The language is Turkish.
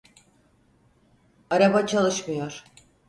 Araba çalışmıyor.